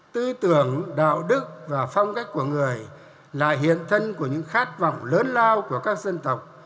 tư tưởng đạo đức và phong cách của người là hiện thân của những khát vọng lớn lao của các dân tộc